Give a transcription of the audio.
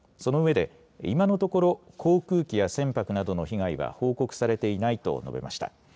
そのうえで今のところ航空機や船舶などの被害は報告されていないと述べました。